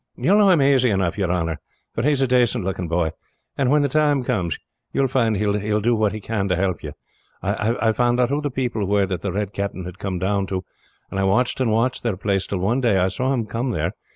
"You will know him aisy enough, your honor, for he is a dacent looking boy; and when the time comes you will find he will do what he can to help you. I found out who the people were that the Red Captain had come down to, and I watched and watched their place, till one day I saw him come there.